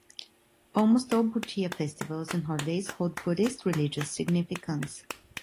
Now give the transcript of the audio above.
Almost all Bhutia festivals and holidays hold Buddhist religious significance.